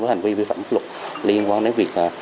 với hành vi vi phạm luật liên quan đến việc